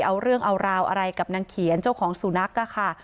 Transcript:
เอาเรื่องเอาราวอะไรกับนางเขียนเจ้าของสุนัขอะค่ะ